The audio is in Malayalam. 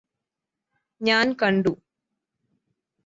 ഞാന് കണ്ടു